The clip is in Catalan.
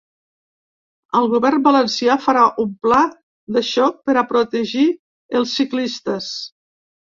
El govern valencià farà un pla de xoc per a protegir els ciclistes.